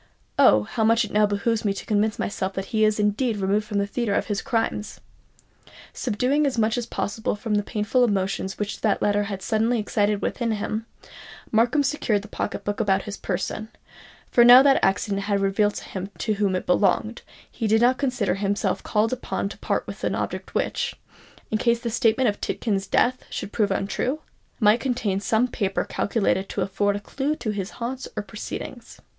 Oh, how much it now behoves me to convince myself that he is indeed removed from the theatre of his crimes!" Subduing as much as possible the painful emotions which that letter had suddenly excited within him, Markham secured the pocket book about his person; for now that accident had revealed to him to whom it belonged, he did not consider himself called upon to part with an object which, in case the statement of Tidkins' death should prove untrue, might contain some paper calculated to afford a clue to his haunts or proceedings.